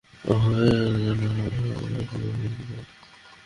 জনগণের সেবার করার জন্য সরকার বেতন দেয়।